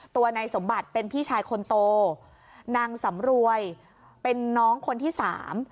ตัวนายสมบัติเป็นพี่ชายคนโตนางสำรวยเป็นน้องคนที่สาม